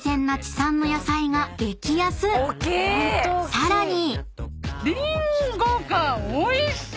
［さらに］